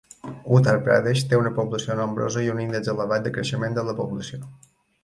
Uttar Pradesh té una població nombrosa i un índex elevat de creixement de la població.